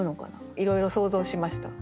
いろいろ想像しました。